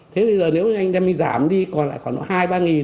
thế thì nếu anh đem đi giảm đi còn lại khoảng hai ba